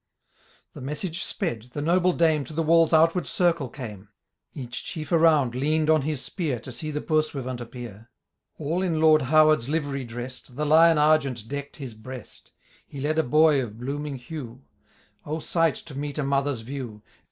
The message sped, the noble Dame To the wall's outward circle came ; Each chief around lean'd on his spear, I'o see the pursuivant appear. All in Lord Howard's livery dress'd. The lion argent deck'd his breast ; He led a boy of blooming hue — O sight to meet a mother's view